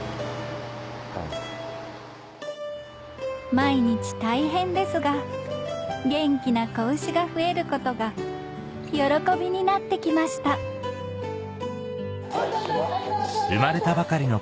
毎日大変ですが元気な子牛が増えることが喜びになって来ましたおっととと。